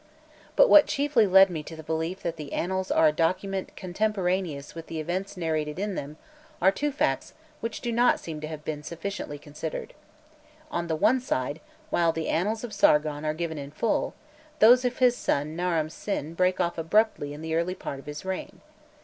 But what chiefly led me to the belief that the annals are a document contemporaneous with the events narrated in them, are two facts which do not seem to have been sufficiently considered. On the one side, while the annals of Sargon are given in full, those of his son Naram Sin break off abruptly in the early part of his reign.